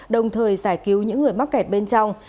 đồng thời giải cứu những người mắc kẹt bên trong